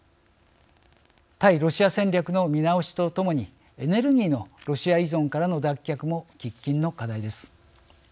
対ロシア戦略の見直しとともにエネルギーのロシア依存からの脱却も喫緊の課題です。